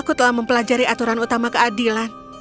aku telah mempelajari aturan utama keadilan